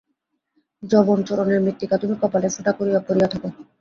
যবন-চরণের মৃত্তিকা তুমি কপালে ফোঁটা করিয়া পরিয়া থাকো।